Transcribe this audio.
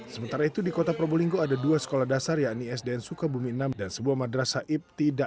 sementara itu di kota probolinggo ada dua sekolah dasar yakni sdn sukabumi enam dan sebuah madrasah ibti